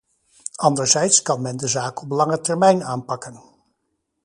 Anderzijds kan men de zaak op lange termijn aanpakken.